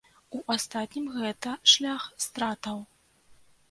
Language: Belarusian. У астатнім гэта шлях стратаў.